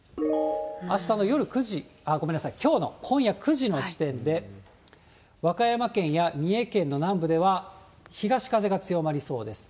あしたの夜９時、ごめんなさい、きょうの今夜９時の時点で、和歌山県や三重県の南部では東風が強まりそうです。